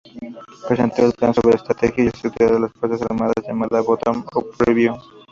Presentó un plan sobre estrategia y estructura de las Fuerzas Armadas llamada Bottom-Up Review.